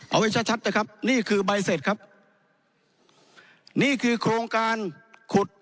เอาไว้ชัดชัดนะครับนี่คือใบเสร็จครับนี่คือโครงการขุด